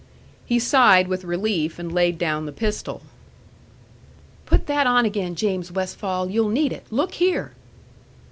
He sighed with relief and laid down the pistol. "Put that on again, James Westfall. You'll need it. Look here!"